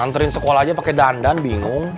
anterin sekolah aja pake dandan bingung